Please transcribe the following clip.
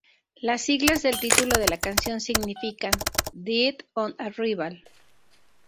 Las siglas del título de la canción significan "Dead On Arrival".